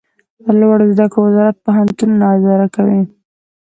لوړو زده کړو وزارت پوهنتونونه اداره کوي